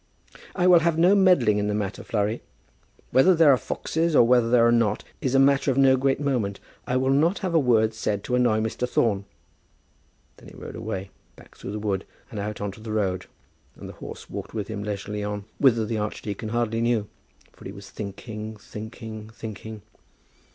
"I will have no meddling in the matter, Flurry. Whether there are foxes or whether there are not, is matter of no great moment. I will not have a word said to annoy Mr. Thorne." Then he rode away, back through the wood and out on to the road, and the horse walked with him leisurely on, whither the archdeacon hardly knew, for he was thinking, thinking, thinking.